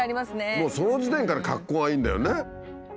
もうその時点からかっこがいいんだよね。